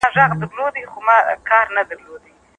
لومړۍ مرحله - وعظ او نصيحت ورته کول.